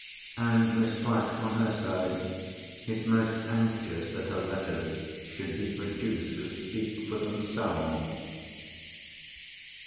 And Miss Clack, on her side, is most anxious that her letters should be produced to speak for themselves."